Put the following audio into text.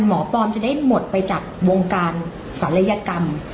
หมอปลอมจะได้หมดไปจากวงการศัลยกรรม